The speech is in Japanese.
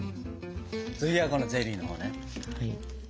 次はこのゼリーのほうね。